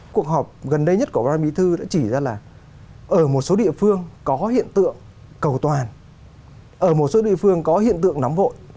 cuộc họp gần đây nhất của ban bí thư đã chỉ ra là ở một số địa phương có hiện tượng cầu toàn ở một số địa phương có hiện tượng nóng vội